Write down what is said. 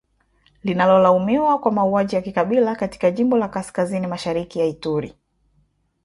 Linalolaumiwa kwa mauaji ya kikabila katika jimbo la kaskazini-mashariki la Ituri.